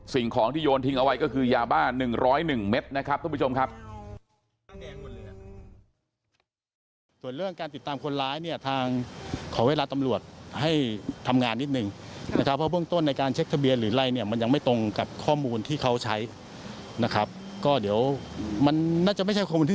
สิ่งของที่โยนทิ้งเอาไว้ก็คือยาบ้า๑๐๑เม็ดนะครับทุกผู้ชมครับ